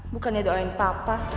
bukannya doain papa